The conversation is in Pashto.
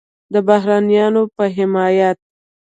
د بهرنیانو په حمایت